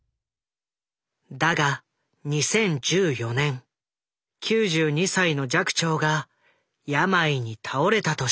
だが２０１４年９２歳の寂聴が病に倒れたと知ると。